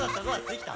できた？